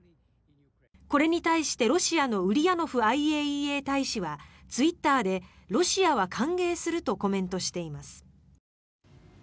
これに対して、ロシアのウリヤノフＩＡＥＡ大使はツイッターでロシアは歓迎するとコメントしています。